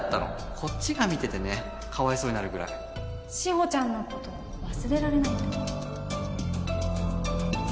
こっちが見ててねかわいそうになるぐらい志保ちゃんのこと忘れられないんだ